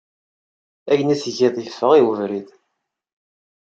Ayen ay tgiḍ yeffeɣ i webrid.